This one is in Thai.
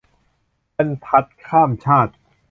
บรรษัทข้ามชาติ